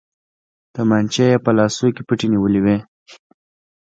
تمانچې يې په لاسو کې پټې نيولې وې.